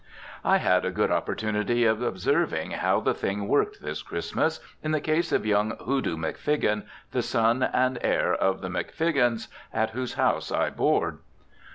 I had a good opportunity of observing how the thing worked this Christmas, in the case of young Hoodoo McFiggin, the son and heir of the McFiggins, at whose house I board.